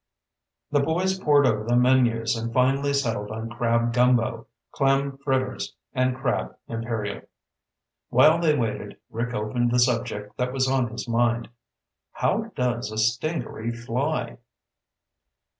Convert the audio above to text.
The boys pored over the menus and finally settled on crab gumbo, clam fritters, and crab imperial. While they waited, Rick opened the subject that was on his mind. "How does a stingaree fly?"